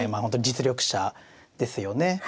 本当に実力者ですよね。